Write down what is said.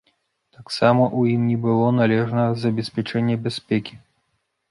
Таксама ў ім не было належнага забеспячэння бяспекі.